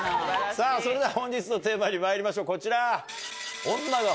さぁそれでは本日のテーマにまいりましょうこちら！